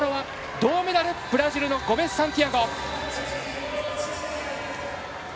銅メダル、ブラジルのゴメスサンティアゴ。